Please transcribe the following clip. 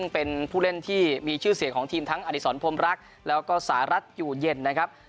เป็นผู้เล่นที่มีชื่อเสียงของทีมทั้งอดิษรพรมรักแล้วก็สหรัฐอยู่เย็นนะครับ